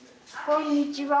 こんにちは。